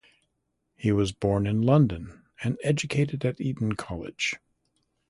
He was born in London and educated at Eton College.